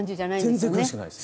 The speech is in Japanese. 全然苦しくないです。